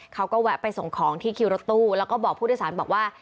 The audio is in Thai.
เขาก็แวะไปส่งของที่คิวรถตู้แล้วก็บอกผู้โดยสารบอกว่า